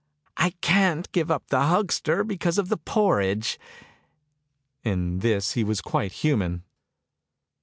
" I can't give up the huckster, because of the porridge." In this he was quite human!